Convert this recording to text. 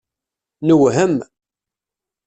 Newhem.